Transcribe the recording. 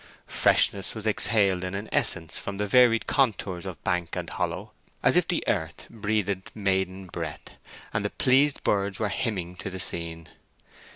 Freshness was exhaled in an essence from the varied contours of bank and hollow, as if the earth breathed maiden breath; and the pleased birds were hymning to the scene.